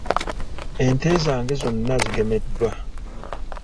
Ente zange zonna zigemeddwa.